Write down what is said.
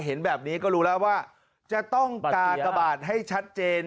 เห็นแบบนี้ก็รู้แล้วว่าจะต้องกากบาทให้ชัดเจน